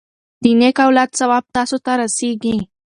د نیک اولاد ثواب تاسو ته رسیږي.